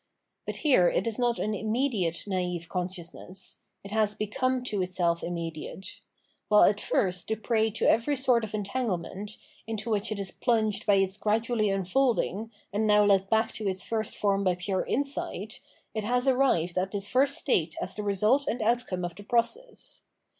But here it is not an immediate naive consciousness ; it has become to itself immediate. While at first the prey to every sort of entanglement, into which it is plunged by its gradually unfolding, and now led back to its first form by pure insight, it has arrived at this first state as the result and outcome of the process.